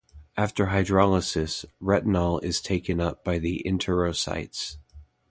After hydrolysis, retinol is taken up by the enterocytes.